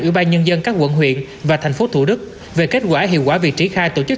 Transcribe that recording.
ủy ban nhân dân các quận huyện và thành phố thủ đức về kết quả hiệu quả việc triển khai tổ chức